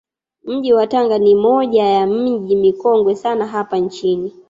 Mji wa Tanga ni moja ya miji mikongwe sana hapa nchini